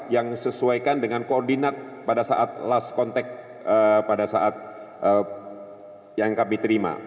yang sesuaikan dengan koordinat pada saat last contact pada saat yang kami terima